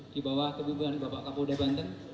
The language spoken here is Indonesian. di bawah keguguran bapak kapolda banten